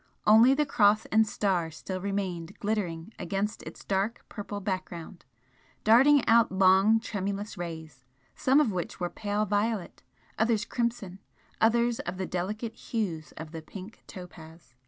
Only the Cross and Star still remained glittering against its dark purple background darting out long tremulous rays, some of which were pale violet, others crimson, others of the delicate hues of the pink topaz.